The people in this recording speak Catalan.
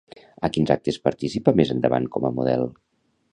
A quins actes participa més endavant com a model?